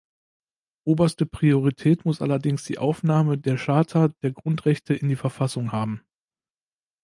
Oberste Priorität muss allerdings die Aufnahme der Charta der Grundrechte in die Verfassung haben.